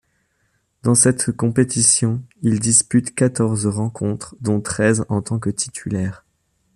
Dans cette compétition, il dispute quatorze rencontres, dont treize en tant que titulaire.